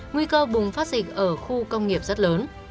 nguy cơ bùng phát dịch ở khu công nghiệp rất lớn